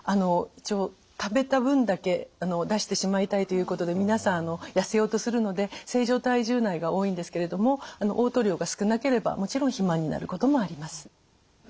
一応食べた分だけ出してしまいたいということで皆さん痩せようとするので正常体重内が多いんですけれどもおう吐量が少なければもちろん肥満になることもあります。